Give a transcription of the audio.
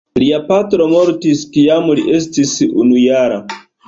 Lia patro mortis kiam li estis unujara.